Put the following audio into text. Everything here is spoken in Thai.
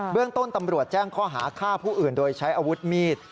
เรื่องต้นตำรวจแจ้งข้อหาฆ่าผู้อื่นโดยใช้อาวุธมีด